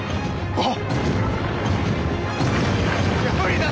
あっ！